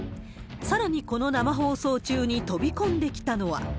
さらにこの生放送中に飛び込んできたのは。